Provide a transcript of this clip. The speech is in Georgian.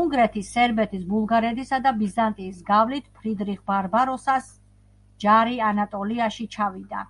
უნგრეთის, სერბეთის, ბულგარეთისა და ბიზანტიის გავლით ფრიდრიხ ბარბაროსას ჯარი ანატოლიაში ჩავიდა.